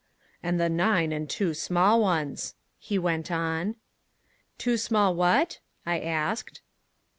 "And the nine and two small ones," he went on. "Two small what?" I asked.